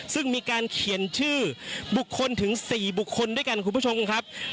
ซึ่งมีการเขียนชื่อบุคคลถึง๔บุคคลด้วยกันคุณผู้ชมครับ